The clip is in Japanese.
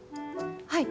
はい。